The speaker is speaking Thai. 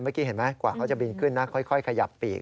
เมื่อกี้เห็นไหมกว่าเขาจะบินขึ้นนะค่อยขยับปีก